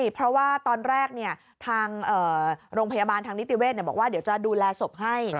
เพราะตอนแรกโรงพยาบาลนิติเวศดูแลศพให้